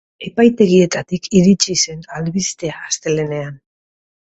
Epaitegietatik iritsi zen albistea astelehenean.